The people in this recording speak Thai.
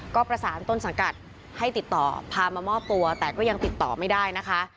ก็ประสานต้นสังกัดให้ติดต่อพามามอบตัวแต่ก็ยังติดต่อไม่ได้นะคะ